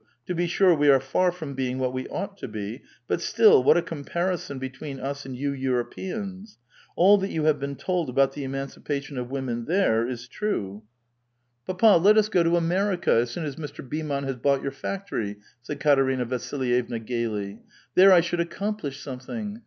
To be sure, we are far from being what we ought to be ; but still, what a com parison between us and you Europeans ! All that you have >»een told about the emancipation of women there, is true." 1 ral*oJfe. 428 A VITAL QUESTION. ^^ Papa, let ns go to America, as soon as Mr. Beaumont has bought your factory," said Katerina Vasilyevna, gayly. ^^ There I should accomplish something.